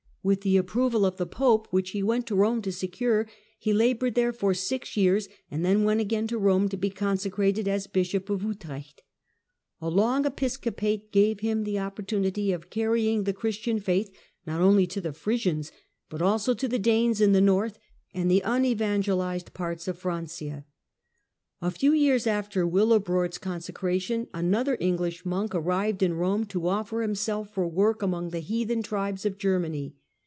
With the approval of the Pope, which he went to Rome to secure, he laboured there for six years, and then went again to Eome to be consecrated as Bishop of Utrecht. A long episcopate gave him the opportunity of carrying the Christian faith not only to the Frisians, but also to the Danes in the North and the unevangelised parts of Francia. Boniface, A few years after Willibrord's consecration, another 718 754 English monk arrived in Rome to offer himself for work among the heathen tribes of Germany.